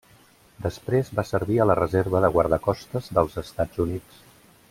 Després va servir a la Reserva de Guardacostes dels Estats Units.